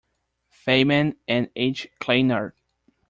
Feynman and H. Kleinert.